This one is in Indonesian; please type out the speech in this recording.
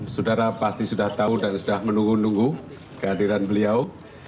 saudara pasti sudah tahu dan sudah menunggu nunggu kehadiran beliau